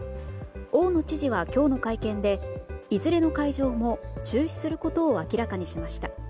大野知事は今日の会見でいずれの会場も中止することを明らかにしました。